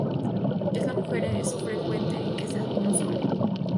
En la mujer es frecuente que sea uno solo.